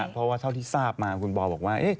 เพราะว่าเท่าที่ทราบมาคุณบอยบอกว่า